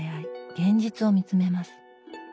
現実を見つめます。